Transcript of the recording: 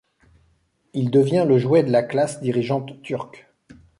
Il devient le jouet de la classe dirigeante turque.